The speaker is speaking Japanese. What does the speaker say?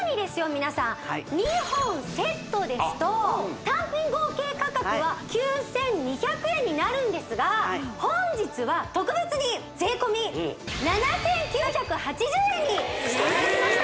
皆さん２本セットですと単品合計価格は９２００円になるんですが本日は特別に税込７９８０円にしていただきました